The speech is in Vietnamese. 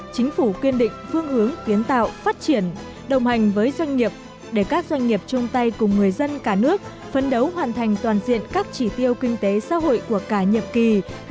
chính phủ kiên định phương hướng kiến tạo phát triển đồng hành với doanh nghiệp để các doanh nghiệp chung tay cùng người dân cả nước phấn đấu hoàn thành toàn diện các chỉ tiêu kinh tế xã hội của cả nhiệm kỳ hai nghìn hai mươi một hai nghìn hai mươi